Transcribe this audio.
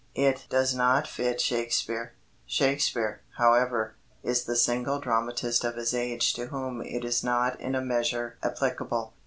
It does not fit Shakespeare. Shakespeare, however, is the single dramatist of his age to whom it is not in a measure applicable.